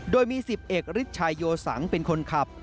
โดยมี๑๐เอกฤทธิชายโยสังเป็นคนขับ